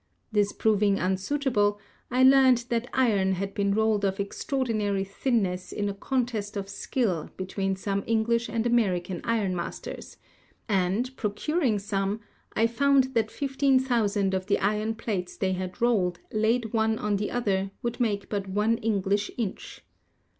This proving unsuitable, I learned that iron had been rolled of extraordinary thin ness in a contest of skill between some English and Ameri can iron masters ; and, procuring some, I found that fifteen thousand of the iron plates they had rolled, laid one on the other, would make but one English inch.